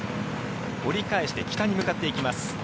折り返して北に向かっていきます。